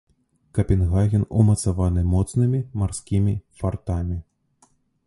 Капенгаген ўмацаваны моцнымі марскімі фартамі.